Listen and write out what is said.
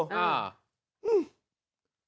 อื้ม